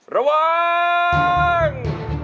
ระวัง